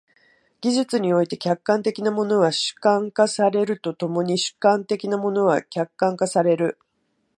技術において、客観的なものは主観化されると共に主観的なものは客観化される。